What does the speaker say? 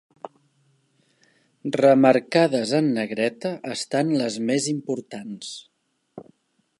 Remarcades en negreta estan les més importants.